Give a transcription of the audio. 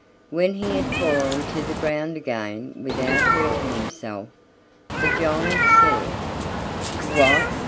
When he had fallen to the ground again without hurting himself, the giant said: "What!